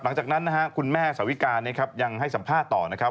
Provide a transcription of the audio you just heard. หลังจากนั้นคุณแม่เสาวิการยังให้สัมภาษณ์ต่อนะครับ